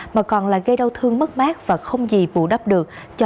mà còn là gây đau thương mất mát và không gì bù đắp được